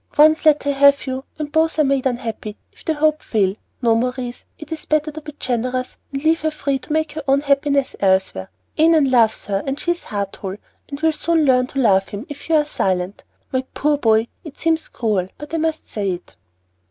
Once let her have you, and both are made unhappy, if the hope fail. No, Maurice, it is better to be generous, and leave her free to make her own happiness elsewhere. Annon loves her, she is heart whole, and will soon learn to love him, if you are silent. My poor boy, it seems cruel, but I must say it."